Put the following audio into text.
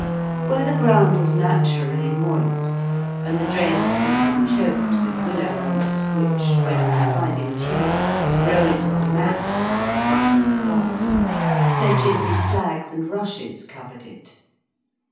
Where the ground was naturally moist, and the drains had become choked with willow roots, which, when confined in tubes, grow into a mass like the brush of a fox, sedges and flags and rushes covered it.